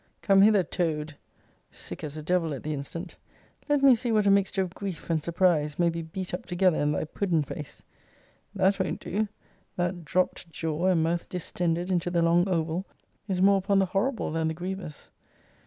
Come hither, toad, [sick as the devil at the instant]; let me see what a mixture of grief and surprize may be beat up together in thy puden face. That won't do. That dropt jaw, and mouth distended into the long oval, is more upon the horrible than the grievous.